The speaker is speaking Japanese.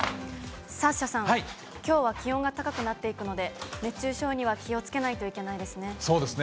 サッシャさん、きょうは気温が高くなっていくので、熱中症には気をつけないといそうですね。